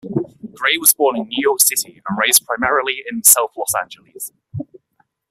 Gray was born in New York City and raised primarily in South Los Angeles.